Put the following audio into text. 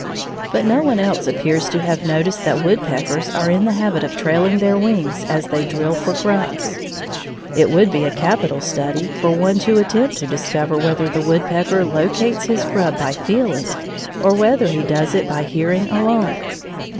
But no one else appears to have noticed that woodpeckers are in the habit of trailing their wings as they drill for grubs. It would be a capital study for one to attempt to discover whether the woodpecker locates his grub by feeling, or whether he does it by hearing alone.